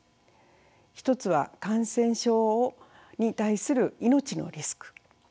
一つは感染症に対する命のリスク。